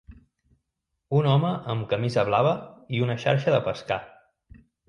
Un home amb camisa blava i una xarxa de pescar.